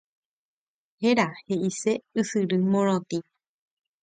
Héra he'ise ysyry morotĩ.